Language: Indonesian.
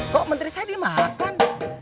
kok menteri saya dimakan